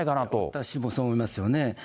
私もそう思いますよね。